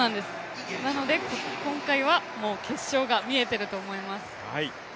なので今回は決勝が見えていると思います。